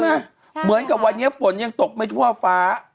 เหมือนกับวันนี้ฝนยังตกไม่ทั่วฟ้า